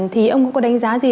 thì ông có đánh giá gì